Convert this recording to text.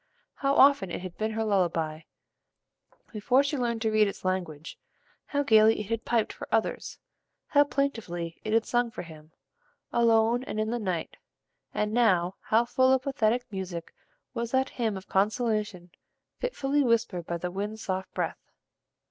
How often it had been her lullaby, before she learned to read its language; how gaily it had piped for others; how plaintively it had sung for him, alone and in the night; and now how full of pathetic music was that hymn of consolation fitfully whispered by the wind's soft breath.